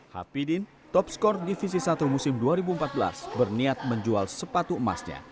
hapidin top skor divisi satu musim dua ribu empat belas berniat menjual sepatu emasnya